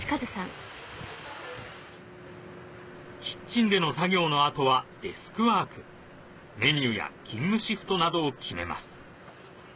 キッチンでの作業の後はデスクワークメニューや勤務シフトなどを決めます